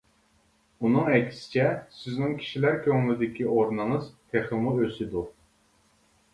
ئۇنىڭ ئەكسىچە سىزنىڭ كىشىلەر كۆڭلىدىكى ئورنىڭىز تېخىمۇ ئۆسىدۇ.